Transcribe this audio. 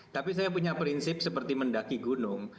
tapi saya punya prinsip seperti mendaki gunung